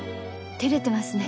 照れてますね。